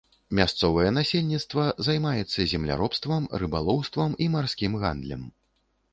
Мясцовае насельніцтва займаецца земляробствам, рыбалоўствам і марскім гандлем.